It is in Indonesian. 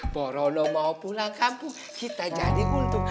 borono mau pulang kampung kita jadi untuk